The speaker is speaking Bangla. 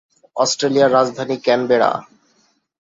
অস্ট্রেলিয়ার রাজধানী ক্যানবেরা।